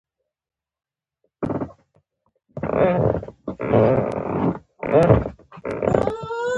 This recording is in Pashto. زه وايم شلومبې دي وي تروې دي وي